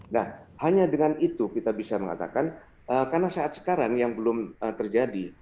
nah hanya dengan itu kita bisa mengatakan karena saat sekarang yang belum terjadi